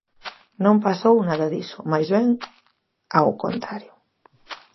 Non pasou nada diso, máis ben ao contrario.